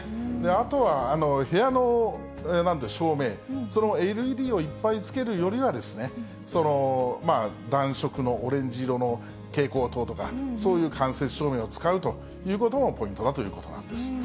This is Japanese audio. あとは部屋の照明、それもＬＥＤをいっぱいつけるよりは、暖色のオレンジ色の蛍光灯とか、そういう間接照明を使うということもポイントだということなんです。